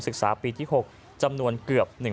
ศึกษาปีที่๖จำนวนเกือบ